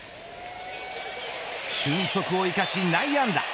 俊足を生かし内野安打。